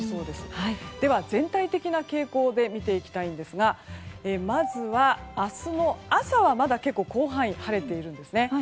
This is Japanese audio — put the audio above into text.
では、全体的な傾向で見ていきたいんですがまずは、明日の朝はまだ結構、広範囲晴れているんですね。